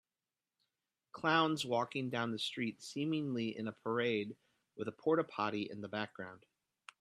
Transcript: Clowns walking down the street seemingly in a parade with a Porta Potty in the background